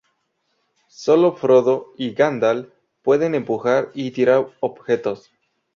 Sólo Frodo y Gandalf pueden empujar y tirar objetos.